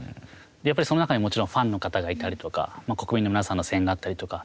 やっぱり、その中にファンの方がいたりとか、国民の皆さんの声援があったりとか。